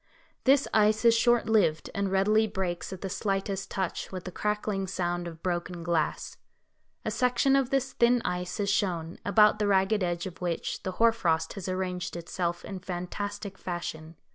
This ice is short lived, and readily breaks at the slightest touch, with the crackling sound of broken glass. A section of this thin ice is shown, about the ragged edge of which the hoar frost has arranged itself in fantastic fashion.